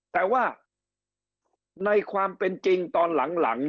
แต่ว่าในความเป็นจริงตอนหลัง